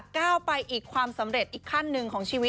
ก้าวไปอีกความสำเร็จอีกขั้นหนึ่งของชีวิต